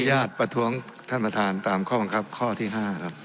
ขออนุญาตประท้วงท่านประธานตามความกำคับข้อที่ห้าครับ